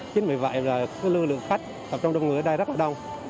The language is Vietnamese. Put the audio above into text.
chính vì vậy lượng khách tập trung đông người ở đây rất là đông